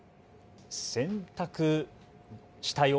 洗濯したよ。